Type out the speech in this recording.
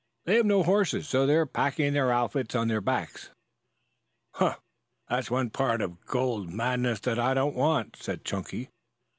They have no horses, so they're packing their outfits on their backs." "Huh! That's one part of the gold madness that I don't want," said Chunky.